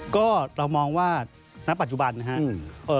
ก็เรามองว่าณปัจจุบันนะครับ